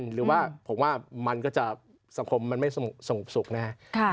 หรือว่าผมว่ามันก็จะสังคมมันไม่สงบสุขนะครับ